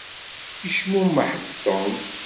Yecmumeḥ-d Tom.